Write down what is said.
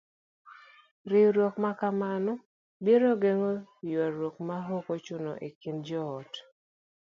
Riwruok ma kamano biro geng'o yuaruok maok ochuno e kind joot.